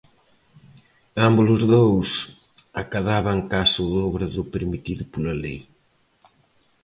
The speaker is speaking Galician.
Ambos os dous acadaban case o dobre do permitido pola lei.